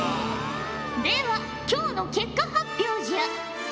では今日の結果発表じゃ！